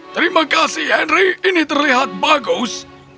terima kasih henry ini terlihat bagus